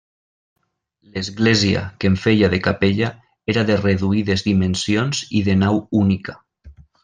L'església, que en feia de capella, era de reduïdes dimensions i de nau única.